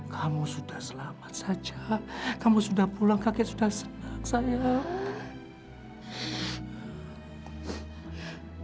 kamu sudah selamat saja kamu sudah pulang kakek sudah senang saya